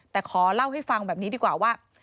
แต่ขอเล่าให้ฟังแบบนี้ดีกว่าว่า